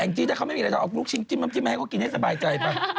แอ็งจี๊ถ้าเขาไม่เห็นอะไรเอาลูกชิ้นจิ้มมาให้เขากินให้สบายใจป่ะ